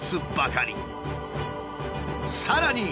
さらに。